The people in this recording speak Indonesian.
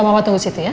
mama tunggu disitu ya